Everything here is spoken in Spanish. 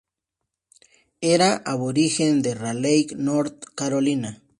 Era aborigen de Raleigh, North Carolina.